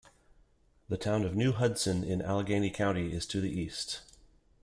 The town of New Hudson in Allegany County is to the east.